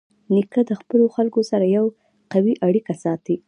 نیکه د خپلو خلکو سره یوه قوي اړیکه ساتي.